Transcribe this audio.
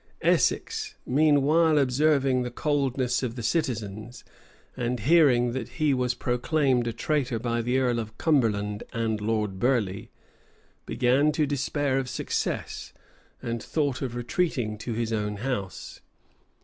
Essex, meanwhile, observing the coldness of the citizens, and hearing that he was proclaimed a traitor by the earl of Cumberland and Lord Burleigh, began to despair of success, and thought of retreating to his own house.